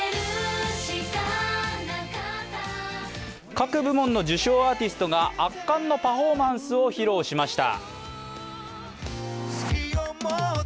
各部門の受賞アーティストが圧巻のパフォーマンスを披露しました。